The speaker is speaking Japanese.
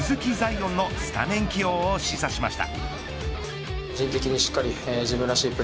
艶のスタメン起用を示唆しました。